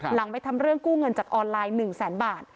หลังไปทำเรื่องกู้เงินจากออนไลน์๑แสนบาท